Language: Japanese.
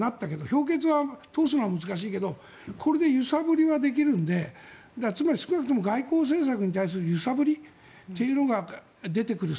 評決を通すのは難しいけどこれで揺さぶりはできるんで少なくとも外交政策に対する揺さぶりが出てくる。